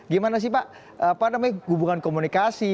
gimana sih pak apa namanya hubungan komunikasi